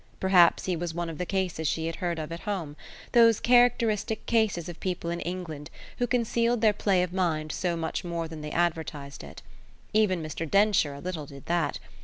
Perhaps he was one of the cases she had heard of at home those characteristic cases of people in England who concealed their play of mind so much more than they advertised it. Even Mr. Densher a little did that.